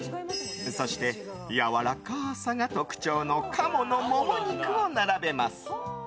そして、やわらかさが特徴の鴨のモモ肉を並べます。